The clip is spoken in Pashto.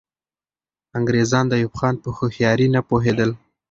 انګریزان د ایوب خان په هوښیاري نه پوهېدل.